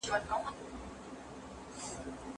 د موبایل زنګ ډېر اوچت و.